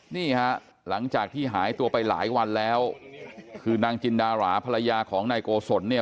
นี่ฮะหลังจากที่หายตัวไปหลายวันแล้วคือนางจินดาราภรรยาของนายโกศลเนี่ย